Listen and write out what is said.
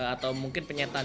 atau mungkin penyetaan